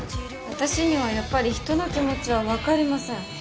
私にはやっぱり人の気持ちはわかりません。